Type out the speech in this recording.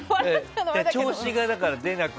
調子が出なくて。